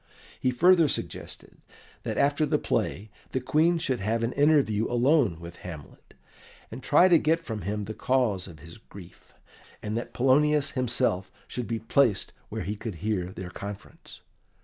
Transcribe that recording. He further suggested that after the play the Queen should have an interview alone with Hamlet, and try to get from him the cause of his grief, and that Polonius himself should be placed where he could hear their conference.